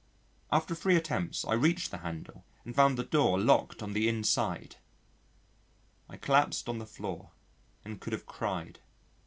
After three attempts I reached the handle and found the door locked on the inside. I collapsed on the floor and could have cried.